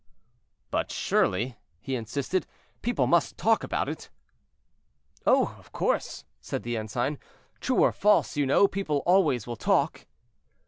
"But surely," he insisted, "people must talk about it?" "Oh! of course," said the ensign; "true or false, you know, people always will talk."